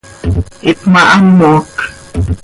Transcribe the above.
Ihpmahamoc.